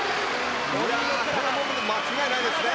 もう間違いないですね